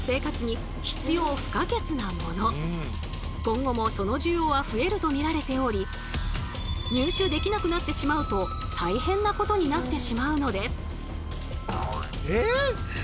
今後もその需要は増えると見られており入手できなくなってしまうと大変なことになってしまうのです。